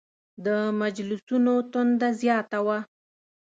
د مجلسونو تنده زیاته وه.